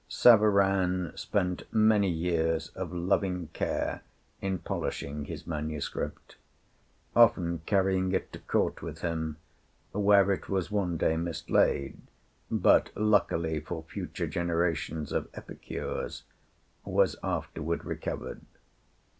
Savarin spent many years of loving care in polishing his manuscript, often carrying it to court with him, where it was one day mislaid, but luckily for future generations of epicures was afterward recovered.